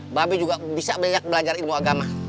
mba be juga bisa banyak belajar ilmu agama